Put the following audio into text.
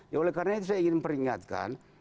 ya oleh karena itu saya ingin peringatkan